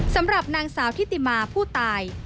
สำหรับนางสาวทิติมาผู้ตาย